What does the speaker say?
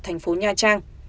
thành phố nha trang